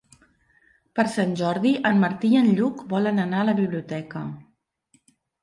Per Sant Jordi en Martí i en Lluc volen anar a la biblioteca.